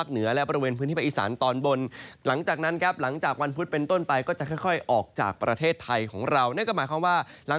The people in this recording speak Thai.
นึกก็หมายความว่า